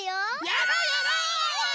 やろうやろう！